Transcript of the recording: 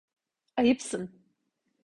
Ayıpsın.